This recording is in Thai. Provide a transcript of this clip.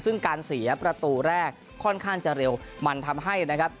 ซึ่งการเสียประตูแรกค่อนข้างจะเร็วมันทำให้นะครับ